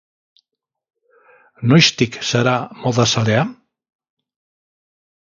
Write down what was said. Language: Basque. Noiztik zara moda zalea?